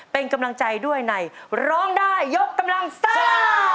เป็นกำลังใจด้วยในร้องได้ยกกำลังซ่า